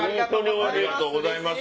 ありがとうございます。